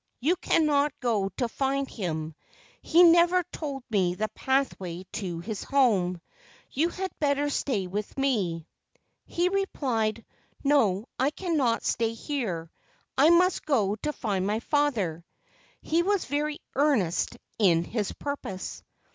You cannot go to find him. He never told me the path way to his home. You had better stay with me." He replied: "No I cannot stay here. I must go to find my father." He was very earnest in his purpose.